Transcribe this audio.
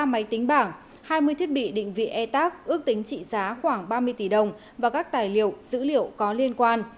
ba máy tính bảng hai mươi thiết bị định vị e tac ước tính trị giá khoảng ba mươi tỷ đồng và các tài liệu dữ liệu có liên quan